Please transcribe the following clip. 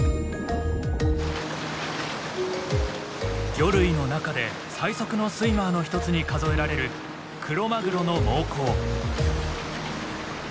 魚類の中で最速のスイマーの一つに数えられるクロマグロの猛攻。